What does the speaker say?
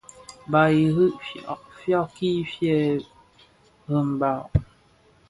Bàb i iru fyàbki fyëë rembàg.